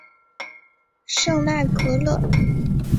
圣赖格勒。